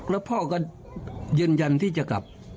แล้วพ่อก็ยืนยันที่จะกลับ